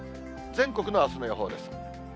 全国のあすの予報です。